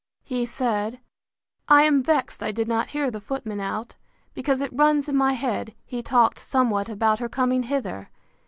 He said, I am vexed I did not hear the footman out; because it runs in my head he talked somewhat about her coming hither.